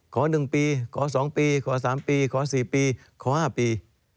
ขอ๑ปีขอ๒ปีขอ๓ปีขอ๔ปีขอ๕ปี